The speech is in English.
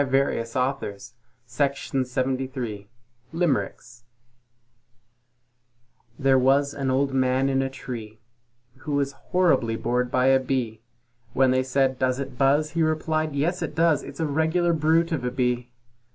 ARTHUR THOMAS QUILLER COUCH LIMERICKS There was an Old Man in a tree, Who was horribly bored by a Bee; When they said, "Does it buzz?" he replied, "Yes, it does! It's a regular brute of a Bee."